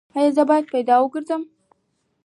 ایا زه باید پیاده وګرځم؟